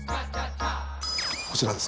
こちらです。